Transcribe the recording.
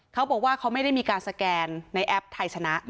เขาบอกว่าเขาไม่ได้มีการสแกนในแอปไทยชนะ